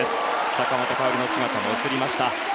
坂本花織の姿も映りました。